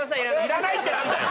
「いらない」ってなんだよ！